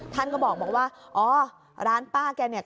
ท่านก็บอกว่าอ๋อร้านป้าแกเนี่ย